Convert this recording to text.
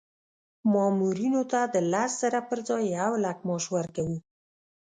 مامورینو ته د لس زره پر ځای یو لک معاش ورکوو.